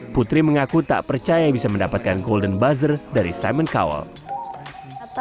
putri mengaku tak percaya bisa mendapatkan golden buzzer dari simon cowell